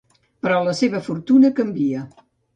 Però la seva fortuna canvia.